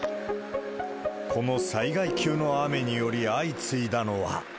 この災害級の雨により相次いだのは。